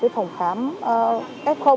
phòng khám f